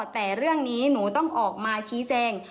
แต่เรื่องนี้หนูต้องออกมาชี้แจง